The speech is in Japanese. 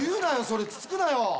それつつくなよ！